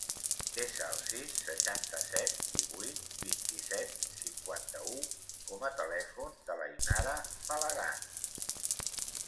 Desa el sis, seixanta-set, divuit, vint-i-set, cinquanta-u com a telèfon de l'Ainara Falagan.